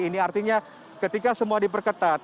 ini artinya ketika semua diperketat